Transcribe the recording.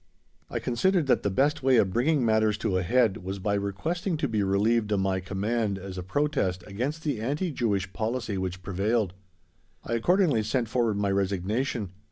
I considered that the best way of bringing matters to a head was by requesting to be relieved of my command as a protest against the anti Jewish policy which prevailed. I accordingly sent forward my resignation.